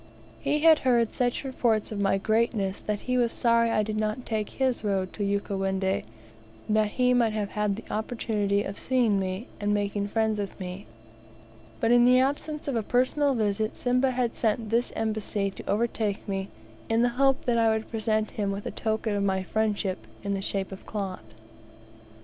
He had heard such reports of my greatness that he was sorry I did not take his road to Ukawendi, that he might have had the opportunity of seeing me, and making friends with me; but in the absence of a personal visit Simba had sent this embassy to overtake me, in the hope that I would present him with a token of my friendship in the shape of cloth.